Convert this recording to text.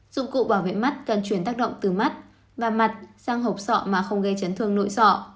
dụng cụ bảo vệ mắt cần chuyển tác động từ mắt và mặt sang hộp sọ mà không gây chấn thương nội sọ